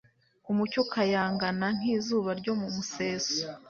Umucyo ukayangana nk'izuba ryo mumuseso